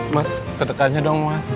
mas sedekahnya dong mas